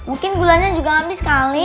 mungkin gulanya juga habis sekali